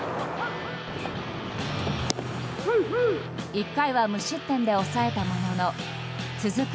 １回は無失点で抑えたものの続く